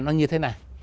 nó như thế này